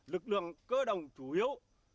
lực lượng cơ đồng chủ yếu